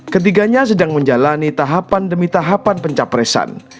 ketiganya sedang menjalani tahapan demi tahapan pencapresan